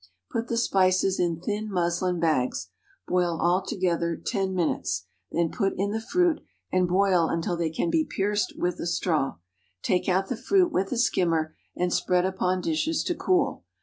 Put the spices in thin muslin bags. Boil all together ten minutes, then put in the fruit, and boil until they can be pierced with a straw. Take out the fruit with a skimmer, and spread upon dishes to cool.